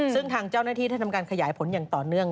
ซึ่งทางเจ้าหน้าที่ได้ทำการขยายผลอย่างต่อเนื่อง